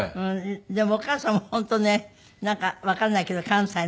でもお母さんも本当ねなんかわかんないけど関西の。